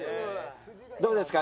どうですか？